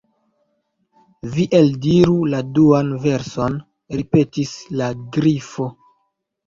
"Vi eldiru la duan verson," ripetis la Grifo.